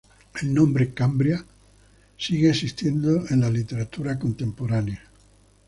El nombre "Cambria" sigue existiendo en la literatura contemporánea.